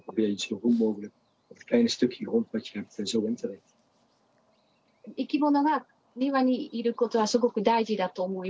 いきものが庭にいることはすごく大事だと思います。